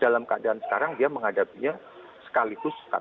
dalam keadaan sekarang dia menghadapinya tidak ada penularan